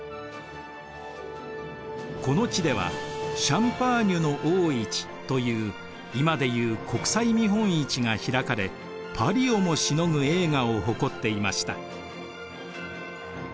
この地では「シャンパーニュの大市」という今でいう国際見本市が開かれパリをもしのぐ栄華を誇っていました。